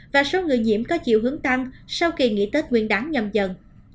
và số người nhiễm có chiều hướng tăng sau khi nghỉ tết nguyên đáng nhầm dần